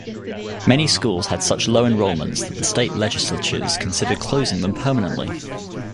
Many schools had such low enrollments, that the state legislatures considered closing them permanently.